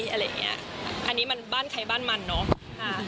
อะไรแบบนี้อันนี้มันบ้านใครบ้านมันเนาะ